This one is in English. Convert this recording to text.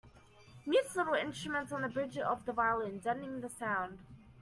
Mutes little instruments on the bridge of the violin, deadening the sound.